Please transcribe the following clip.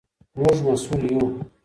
موږ مسؤل یو.